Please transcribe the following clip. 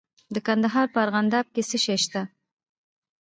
د کندهار په ارغنداب کې څه شی شته؟